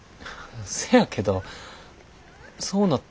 せやけどそうなったらえっ